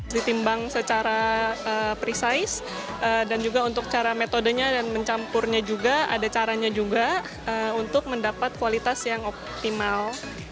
ditimbang secara precise dan juga untuk cara metodenya dan mencampurnya juga ada caranya juga untuk mendapat kualitas yang optimal